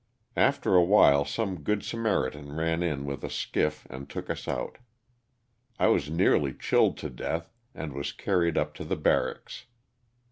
After a while some "good Samaritans" ran in with a skiff and took us out. I was nearly chilled to death, and was carried up to the barracks.